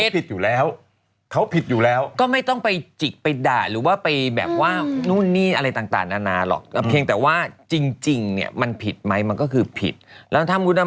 เรายังเยอะแล้วเยอะเยอะเวอร์เวอร์